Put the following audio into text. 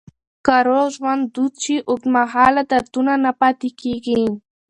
که روغ ژوند دود شي، اوږدمهاله دردونه نه پاتې کېږي.